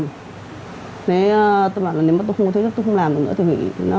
thế tôi bảo là nếu mà tôi không có thủ tục tôi không làm được nữa thì hủy